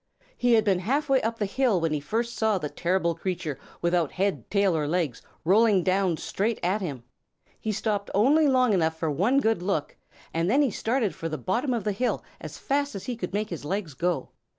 He had been half way up the hill when he first saw the terrible creature without head, tail, or legs rolling down straight at him. He stopped only long enough for one good look and then he started for the bottom of the hill as fast as he could make his legs go.